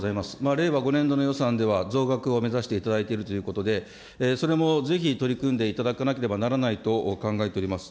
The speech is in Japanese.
令和５年度の予算では、増額を目指していただいているということで、それもぜひ取り組んでいただかなければならないと考えております。